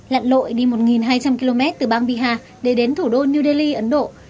lặn lội đi một hai trăm linh km từ bang bihar để đến thủ đô new delhi ấn độ